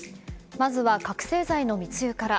まずは覚醒剤の密輸から。